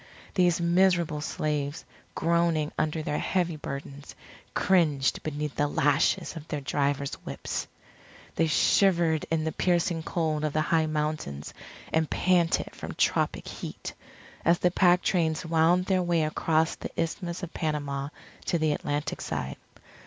These miserable slaves, groaning under their heavy burdens, cringed beneath the lashes of their drivers' whips. They shivered in the piercing cold of the high mountains, and panted from tropic heat, as the pack trains wound their way across the Isthmus of Panama to the Atlantic side.